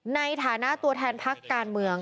ในฐานะตัวแทนพักการเมือง